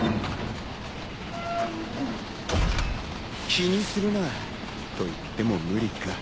気にするなと言っても無理か。